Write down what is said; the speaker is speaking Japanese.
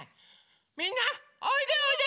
みんなおいでおいで！